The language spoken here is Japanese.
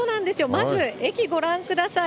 まず、駅ご覧ください。